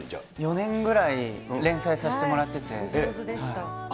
４年ぐらい連載させてもらっお上手でした。